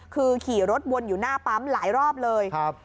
คือขี่รถวนอยู่หน้าปั๊มหลายรอบเลยครับ